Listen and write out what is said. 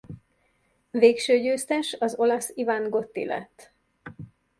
Végső győztes az olasz Ivan Gotti lett.